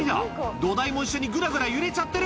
土台も一緒にぐらぐら揺れちゃってる。